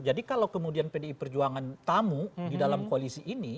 jadi kalau kemudian pdi perjuangan tamu di dalam koalisi ini